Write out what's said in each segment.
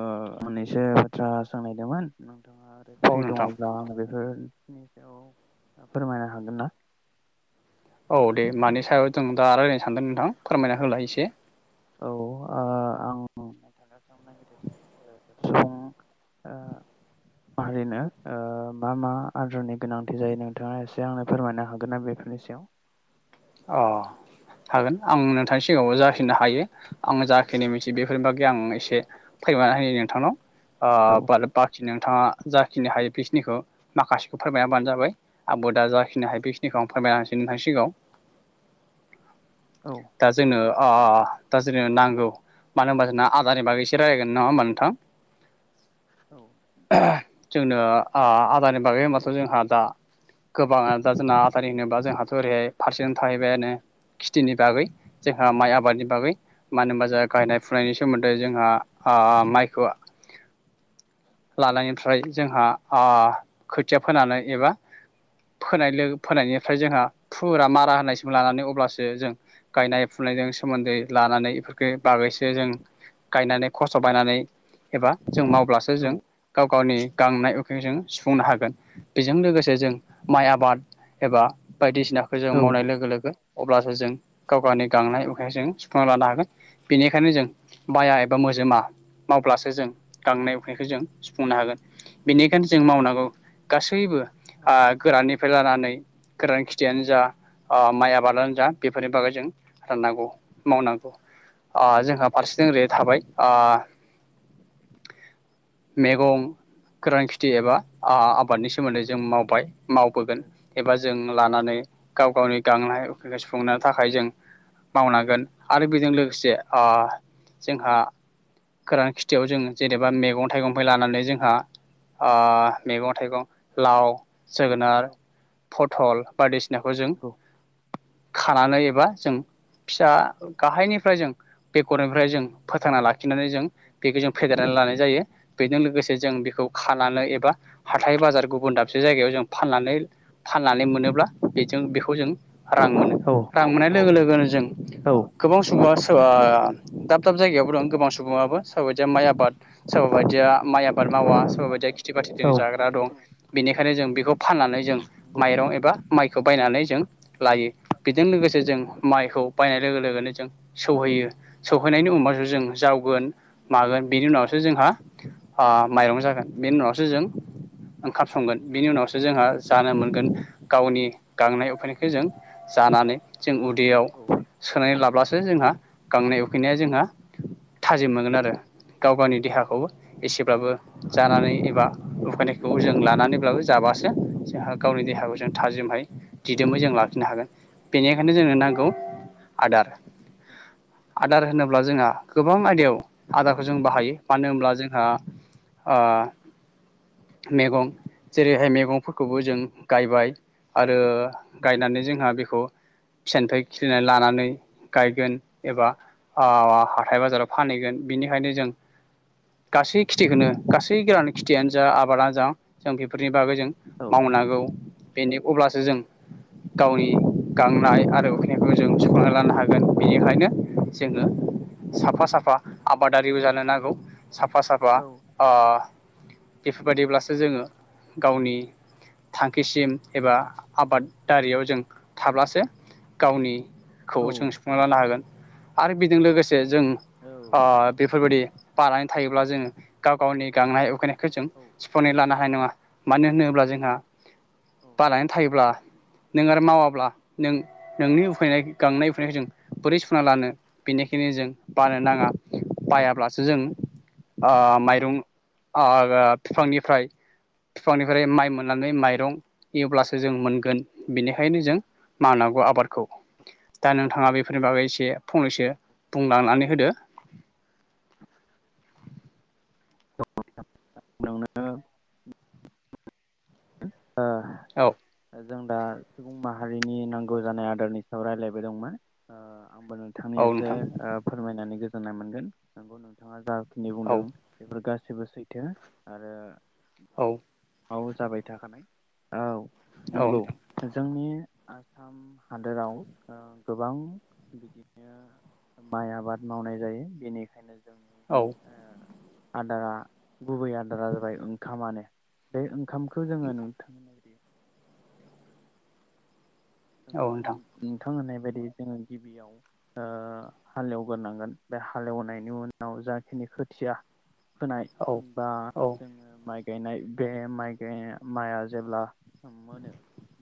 ओ मोननैसो बाथ्रा सोंनायदोंमोन नोंथाङा ओरै औ फ्रि नोंथां दङब्ला आं बेफोर औ फोरमायनो हागोन ना औ दे मानि सायाव जों दा रायज्लायनो सानदों नोंथां फोरमायना होलाय इसे औ आं नथनो नागिरदों सुबुं माहारिनो ओ मा मा आदारनि गोनांथि जायो नोंथाङा एसे आंनो फोरमायनो हागोन ना बेफोरनि सायाव अ हागोन आं नोंथांनि सिगाङावबो जाखिनि हायो आङो औ जाखिनि मिथि बे बेफोरनि बागै आं इसे फैमायना होयो नोंथांन आ औ बाल बाखिन आ नोंथाङा जाखिनि हायो बेखनिखौ माखासेखौ फोरमाय हबानो जाबाय आबो' दा जाखिनि हायो बेखिनिखौ आं फोरमायनानैसै नोंथांनि सिगाङाव औ दा जोङो अ अ दा जों नांगौ मानो होनबा जों आदारनि बागै एसे रायलायगोन नङा होमबा नोंथां औ नोंथां ओ जोंनो आ आदारनि बागै होनबाथ' जोंहा दा गोबाङनो दा जोंना आदारनि होनोबा जोंहाथ' ओरैहाय फारसेनो थाहैबायनो खिथिनि बागै जोंहा माइ आबादनि बागै मानो होनबा जाय गायनाय फुनायनि सोमोन्द न्दै जोंहा आ माइखौ लानायनिफ्राय जोंहा आ खोथिया फोनानै एबा फोनाय फोनायनिफ्राय जोंहा फु खुरा मारा होनाय सम लानानै अब्लासो जों गायनाय फुनायजों सोमोन्दै लानानै इफोरखौ बागैसो जों गायनानै खस्थ' बायनानै एबा जों मावब्लासो औ जों गाव गावनि गांनाय उखै जों सुफुंनो हागोन बेजों लोगोसे जों माइ आबाद एबा बायदिसिना खोजों औ मावनाय लोगो लोगो अब्लासो जों गाव गावनि गांनाय उखैखौ जों सुफुंना लानो हागोन बेनिखायनो जों बाया एबा मोजोमा मावब्लासो जों गांनाय उखैखौ जों सुफुंनो हागोन बेनिखायनो जों मावनांगौ गासैबो आ गोराननिफ्राय लानानै गोरान खिथियानो जा आ माइ आबादानो जा बेफोरनि बागै जों राननांगौ मावनांगौ आ जोंहा फारसेथिं ओरैहाय थाबाय आ मेगं गोरान खेथि एबा आ आबादनि सोमोन्दै जों मावबाय मावबोगोन औ एबा जों लानानै गाव गावनि गांनाय उखैनाय सुफुंनो थाखाय जों मावनांगोन आरो बेजों लोगोसे आ जोंहा गोरान खिथियाव जों जेनेबा मेगं थाइगंनि लानानै जोंहा आ मैगं थाइगं लाव औ जोगोनार फथल बायदिसिन नाखौ जों नंगौ खानानै एबा जों फिसा गाहायनिफ्राय जों बेगरनिफ्राय जों फोथांना लाखिनानै जों बेखौ जों फेदेरनानै लानाय जायो बेजों लोगोसे जों बेखौ खानानै एबा हाइथाय बाजार गुबुन दाब से जायगायाव जों फाननानै फाननानै मोनोब्ला जों बेखौ जों रां मोनो औ रां मोननाय लोगो लोगोनो जों औ गोबां सुंबुङा ओ दाब दाब जायगायावबो दं गोबां सुबुङाबो सोरबा बायदिया माइ आबाद सोरबा बायदिया माइ आबाद मावा सोरबा बायदिया। खेथि नंगौ औ बाथिथिनि जाग्रा दं बेनिखायनो जों बेखौ फाननानै जों औ माइरं एबा माइखौ बायनानै जों लायो बेजों लोगोसे जों माइखौ बायनाय लोगो लोगोनो जों सौहैयो सौहैनायनि उनावसो जों जावगोन मागोन बेनि उनावसो जोंहा ओ माइरं जागोन बेनि उनावसो जों ओंखाम संगोन बेनि उनावसो जोंहा जानो मोनगोन। गावनि गांनाय उखैनायखौ जों जानानै जों उदैयाव औ सोनानै लाब्लासो जोंहा गांनाय उखैनाया जोंहा थाजिम मोनगोन आरो गाव गावनि देहाखौ एसेब्लाबो जानानै एबा उखैनायखौ जों लानानैब्लाबो जाबासो जोंहा गावनि देहाखौ जों थाजिमहाय दिदोमै जों लाखिनो हागोन बेनिखायनो जोंनो नांगौ आदार आदार होनोब्ला जोंहा गोबां आयदायाव आदारखौ जों बाहायो मानो होनब्ला जोंहा ओ मैगं जेरैहाय मैगंफोरखौबो जों गायबाय आरो गायनानै जोंहा बेखौ फिसानिफ्राय खिलिनानै लानानै गायगोन एबा ओ हाथथाय बाजाराव फानहैगोन बिनिखायनो जों गासै खेथिखौनो गासै गोरान खेथियानो जा आबादानो जा जों बेफोरनि बागौ जों औ मावनांगौ बेनो अब्लासो जों औ गावनि औ गांनाय आरो उखिनायखौ जों सुख'नानै लानो हागोन बेनिखायनो जोङो साफा साफा आबादारिबो जानो नांगौ। साफा साफा औ ओ बेफोरबायाददिब्लासो जोङो गावनि थांखि किसिम एबा आबादारियाव जों थाब्लासो गावनि खौ औ जों सुफुंना लानो हागोन आरो बेजों लोगोसे जे जों औ ओ बेफोरबायदि बानानै थायोब्ला जों गाव गावनि गांनाय उखैनाय खौ जों औ सुफु'नानै लानो हानाय नङा। मानो होनोब्ला जोंहा औ बानानै थायोब्ला नों आरो मावाब्ला नों नोंनि उखैनाय गांनाय उनायखौ जों बोरै सुफुंना लानो बेनिखायनो जों बानो नाङा। बायाब्लासो जों ओ माइरं ओ बिफांनिफ्राय बिफांनिफ्राय माइ मोन बेनिखायनो जों मावनांगौ आबादखौ दा नोंथाङा बेफोरनि बागै एसे फंनैसो बुंलांनानै होदो [unintelligible] ओ औ जों दा सुबुं माहारिनि नांगौ जानाय आदारनि सायाव रायज्लायबो दंमोन ओ आंबो नोंथांनि औ एसे नोंथां ओ फोरमायनानै गोसो गोजोननाय मोनगोन नोंगौ नोंथाङा जा खिनि औ बुंदों बेफोर गा बो सैथो आरो औ औ जाबाय थाखानाय औ। औ नंगौ नोंथां जोंनि। आसाम हादोराव ओ गोबां बिदिनो माइ आबाद मावनाय जायो बेनिखायनो। औ ओ। आदारा गुबै आदारा जाबाय ओंखामानो। दै ओंखाम। खौ जोङो नुथ नोंथां मा नोंथांहोनाय बेबायदि जोङो गिबियाव ओ हालेवग्रोनांगोन बे हालेवनायनि उनाव जाखिनि खोथिया। होनाय औ बा औ जोङो माइक। गायनाय बे माइ गायनाय माइआ जेब्ला। मोनो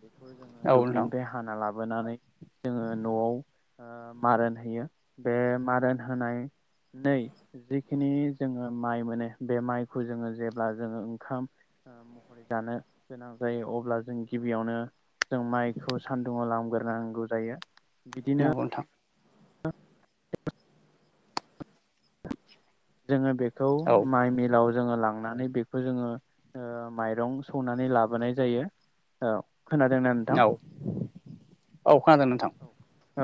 बेखौ जोङो औ दु। नोंथां खाना लाबोनानै जोङो न'आव ओ मारोन होयो बे मारोन होनानै न जिखिनि जोङो माइ मोनो बे माइखौ जोङो जेब्ला जोङो ओंखाम महरै जानो गोनां जायो अब्ला जों गिबियावनो जों माइ। हुग्रनांगौ जायो। बिदिनो नंगौ नोंथां। [inaudible] जोङो बे। खौ औ माइ मिलाव। जोङो लांनानै बेखौ जोङो ओ माइरं सौनानै लाबोनाय जायो औ। खोनादोंना नोंथां। औ औ। खोनादों नोंथां। औ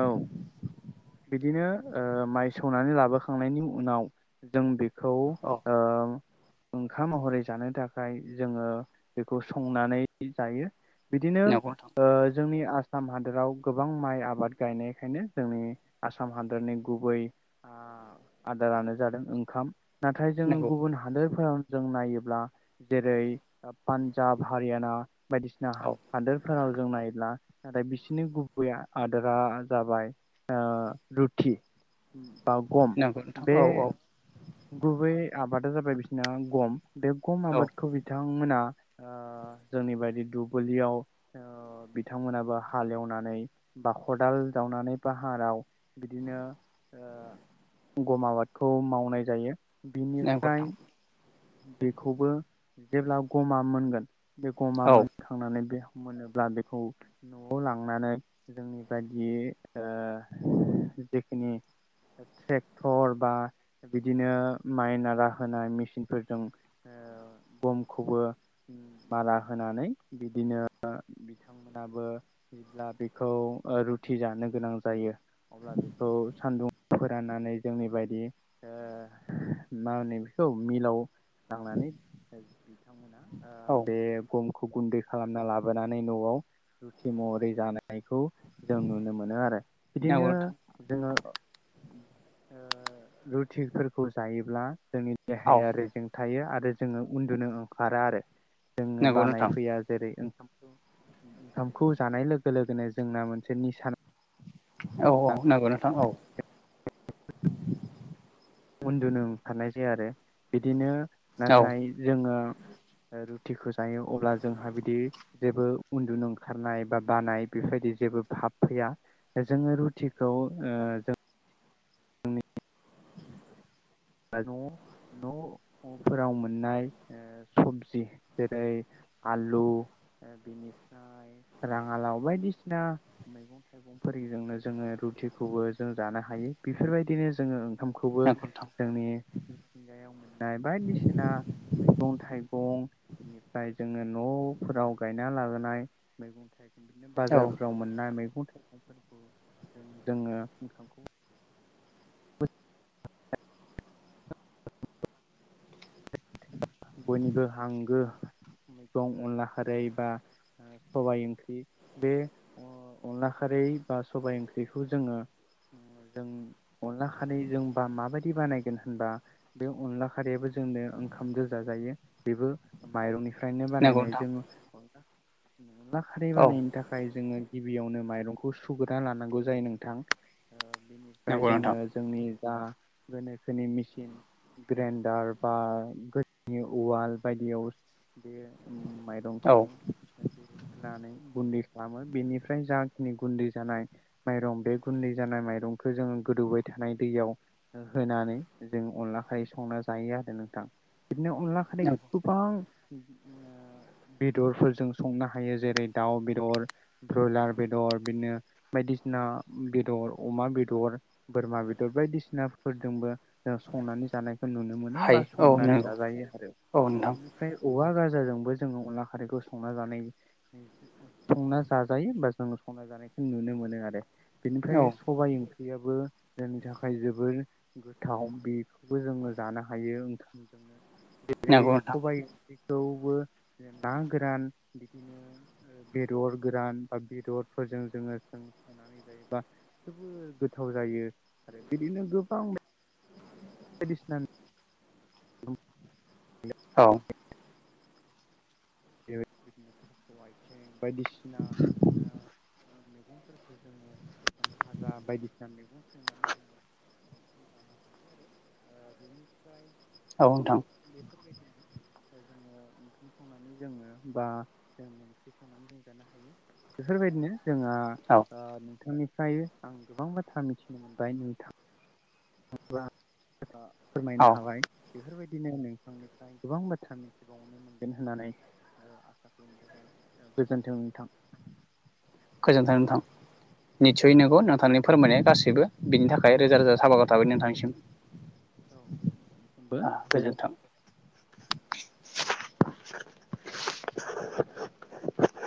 बिदिनो ओ माइ सौनानै लाबोखांनायनि उनाव जों बे। खौ औ ओ। ओंखाम महरै जानो थाखाय जोङो बेखौ संनानै जायो। बिदिनो नंगौ नोंथां ओ। जोंनि आसाम हादोराव गोबां माइ आबाद गायनायखायनो जोंनि। आसाम हादरनि गुबै ओ आदारानो जादों ओंखाम। नाथाय जोङो नंगौ गुबुन हादोरफोराव। जों नायोब्ला जेरै पान्जाब हारियाना। बायदिसिना औ हादोरफोराव। जों नायोब्ला नाथाय बिसोरनि गुबै आदोरा जाबाय ओ। रुथि। बा गम नंगौ नोंथां बे। औ औ गुबै आबादा जाबाय बिसना गम। बे गम औ आबादखौ बिथांमोना ओ जोंनि बायदि दुब्लियाव बिथांमोनाबो हालेवनानै ब खदाल जावनानै पाहाराव बिदिनो ओ गम आबादखौ मावनाय जायो। नंगौ बिनिफ्राय नोंथां बेखौबो जेब्ला गमा मोनगोन। बे गमा औ मोनखांनानै बे मोनोब्ला बेखौ न'आव लांनानै जोंनि बायदि ओ जेखिनि ट्रेक्टर बा बिदिनो माइनारा होनाय मेसिनफोर जों ओ गमखौबो माला होनानै बिदिनो बिथांमोनाबो जेब्ला बेखौ ओ रुथि जानो गोनां जायो अब्ला बेखौ सानदुं फोराननानै जोंनि बायदि ओ मा होनो बेखौ मिलाव थांनानै बिथांमोनहा ओ औ बे गम खौ गुन्दै खालामना लाबोनानै न'आव रुथि महरै जानायखौ जों नुनो मोनो आरो बिदिनो नंगौ नोंथां जोङो ओ रुथिफोरखौ जायोब्ला जोंनि औ देहायारि जों थायो आरो जोङो उन्दुनो ओंखारा आरो जोङो नंगौ बानाय नोंथां फैया जेरै ओं ओंखामखौ जानाय लोगो लोगोनो जोंना मोनसे निसा औ औ नांगौ नोंथां औ उन्दुनो ओंखारनाय जाया आरो बिदिनो औ नंगौ नाथाय जोङो रुटिखौ जायो अब्ला जोंहा बिदि जेबो उन्दु ओंखारनाय बा बानाय बेफोरबायदि जेबो भाब फैया जोङो रुटिखौ जोंनि न' न'फोराव मोननाय ओ सबजि जेरै आलु ओ बिनिफ्राय राङालाव बायदिसिना मैगं थाइगंफोरजोंनो जोङो रुटिखौबो जों जानो हायो बेफोरबायदिनो जोङो खामखौबो नोंथां जोंनि मिथिंगायाव मोननाय बायदिसिना मैगं थाइगं बेनिफ्राय जोङो न'फोराव गायना लाबोनाय मैगं थाइग बिदिनो औ बाजारफोराव मोना मैगं जोङो ओंखामखौ बयनिबो हांगो मैगं अनला खारै बा सबायाइ ओंख्रि बे ओ अनला खारै बा सबाइ ओंख्रिखौ जोङो जों अनला खारै जों बा माबायदि बानायगोन होनबा बे अनला खारैयाबो जोंनो ओंखामदो जाजायो बेबो माइरंनिफ फ्रायनो नंगौ बानायनाय नोंथां जों अनला खारै औ बानायनो थाखाय जोङो गिबियावनो माइरंखौ सुग्रोना लानांगौ जायो नोंथां बिनिफ्राय नंगौ जोङो नोंथां जोंनि जा गोनोखोनि मिसिन ग्रेन्डार बा गोदोनि उवाल बायदियाव बे उम माइरंखौ औ होनानै गुन्दै खालामो बेनिफ्राय जाखिनि गुन्दै जानाय माइरं बे गुन्दै जानाय माइरंखौ जोङो गोदौबाय थानाय दैयाव होनानै जों अनलाखायै संना जायो आरो नोंथां बिदिनो अनला खारैखौ नंगौ गोबां ओ बेदरफोरजों संनो हायो जेरै दाउ बेदर ब्रयलार बेदर बिदिनो बायदिसिना बेदर अमा बेदर बोरमा बेदर बायदिसिनाफोरजोंबो जों संनानै जानाय नुनो मोनो बा हायो औ संनानै नंगौ जाजायो आरो औ नोंथां बेनिफ्राय औवा गाजाजोंबो जोङो अनला खारैखौ संना जानाय संना जाजायो बा जों संना जानायखौ नुनो मोनो आरो औ बेनिफ्राय सबाइ ओं ओंख्रियाबो जोंनि थाखाय जोबोर गोथाव बेखौबो जोङो जानो हायो [unintelligible] जरै नंगौ नोंथां सबाय ओंख्रि थेवबो ना गोरान बिदिनो बेदर गोरान बा बेदरफोरजों जोङो जों संनानै जायोबा जोबोर गोथाव जायो आरो बिदिनो गोबां बायदिसिना औ [unintelligible] बायदिसिना ओ [inaudible] औ नोंथां [inaudible] जोङो बा जों ओंख्रि संनानै जों जानो हायो बेफोरबायदिनो जोंहा औ ओ नोंथांनि [unintelligible] आं गोबां बाथ्रा मिथिनो मोनबाय नोंथां [unintelligible] फोरमायनो औ हाबाय बेफोरबायदिनो नोंथांनिफ्राय गोबां बाथ्रा मिथिबावनो मोनगोन होननानै ओ आसा खालामनाय थाबाय गोजोन्थों नोंथां गोजोनथों नोंथां निस्सय औ नंगौ नोंथांनि फोरमनाया गासै बो बे बिनि थाखाय रोजा रोजा साबायखर थाबाय नोंथांनिसिम औ नोंनिसिमबो गोजोन्थों [inaudible]